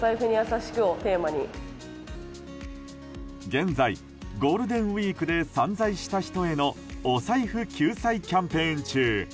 現在、ゴールデンウィークで散財した人へのお財布救済キャンペーン中。